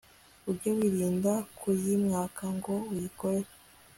ujye wirinda kuyimwaka ngo uyikorere